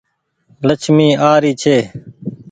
لڇمي آ ري ڇي۔